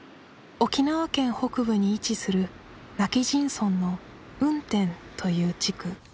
沖縄県北部に位置する今帰仁村の運天という地区